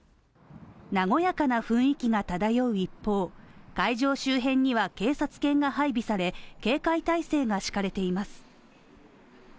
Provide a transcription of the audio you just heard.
和やかな雰囲気が漂う一方、会場周辺には警察犬が配備され警戒態勢が敷かれています。